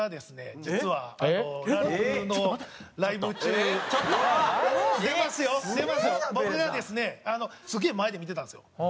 すげえ前で見てたんですよ。